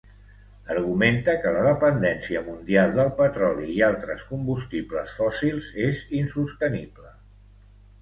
Argumenta que la dependència mundial del petroli i altres combustibles fòssils és insostenible